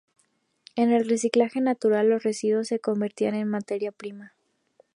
En el reciclaje natural, los residuos se convierten en materia prima.